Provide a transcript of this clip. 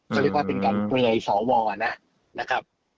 ก็เรียกว่าเป็นการเปลือยสวนะครับ